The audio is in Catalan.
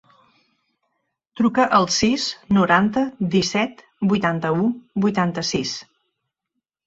Truca al sis, noranta, disset, vuitanta-u, vuitanta-sis.